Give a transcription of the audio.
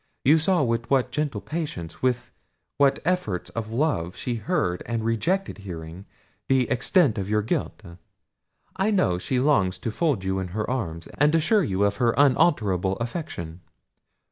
You saw with what gentle patience, with what efforts of love, she heard, she rejected hearing, the extent of your guilt. I know she longs to fold you in her arms, and assure you of her unalterable affection."